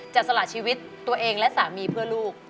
สละชีวิตตัวเองและสามีเพื่อลูก